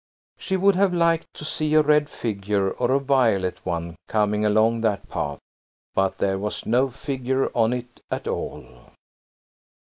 She would have liked to see a red figure or a violet one coming along that path. But there was no figure on it at all.